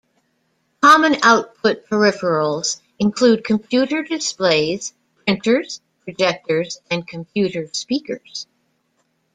Common output peripherals include computer displays, printers, projectors, and computer speakers.